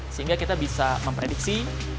sehingga kita bisa memprediksi